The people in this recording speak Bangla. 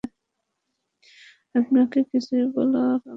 আপনাকে কিছুই বলা লাগবে না।